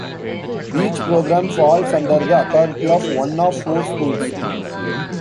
Each program falls under the authority of one of four Schools.